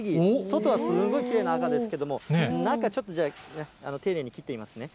外はすごいきれいな赤ですけれども、中、ちょっとじゃあ、丁寧に切ってみますね。